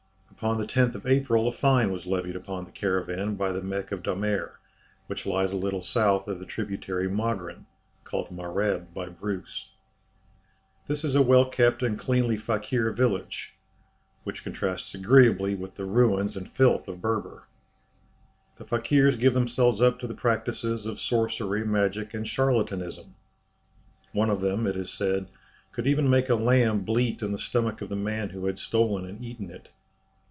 Upon the 10th of April a fine was levied upon the caravan by the Mek of Damer, which lies a little south of the tributary Mogren (called Mareb by Bruce). This is a well kept and cleanly Fakir village, which contrasts agreeably with the ruins and filth of Berber. The Fakirs give themselves up to the practices of sorcery, magic, and charlatanism. One of them, it is said, could even make a lamb bleat in the stomach of the man who had stolen and eaten it!